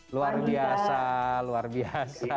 luar biasa luar biasa